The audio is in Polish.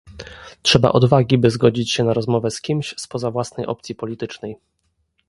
Trzeba odwagi, by zgodzić się na rozmowę z kimś spoza własnej opcji politycznej